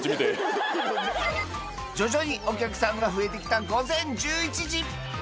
徐々にお客さんが増えて来た午前１１時